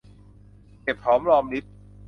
เก็บหอมรอมริบ